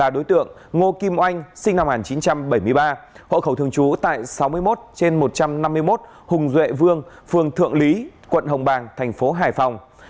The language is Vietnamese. đối tượng ngô kim oanh sinh năm một nghìn chín trăm bảy mươi ba hộ khẩu thường trú tại sáu mươi một trên một trăm năm mươi một hùng duệ vương phường thượng lý quận hồng bàng thành phố hải phòng